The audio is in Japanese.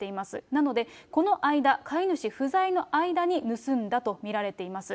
なので、この間、飼い主不在の間に、盗んだと見られています。